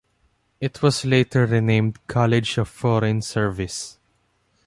It was later renamed College of Foreign Service.